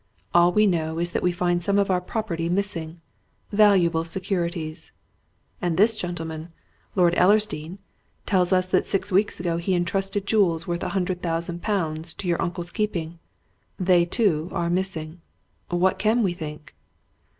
All we know is that we find some of our property missing valuable securities. And this gentleman Lord Ellersdeane tells us that six weeks ago he entrusted jewels worth a hundred thousand pounds to your uncle's keeping they, too, are missing. What can we think?"